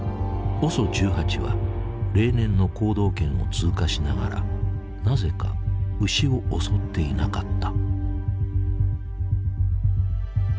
ＯＳＯ１８は例年の行動圏を通過しながらなぜか牛を襲っていなかった。